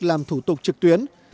làm thủ tục trực tuyến